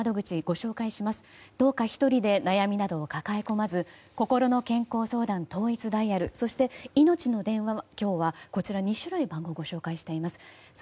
どうか１人で悩みなどを抱え込まずこころの健康相談統一ダイヤルそしていのちの電話、今日はこちらに２種類、番号をご紹介しています。